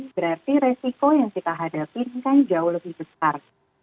berarti resiko yang kita hadapi ini kan jauh lebih besar